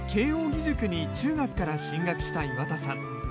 義塾に中学から進学した岩田さん。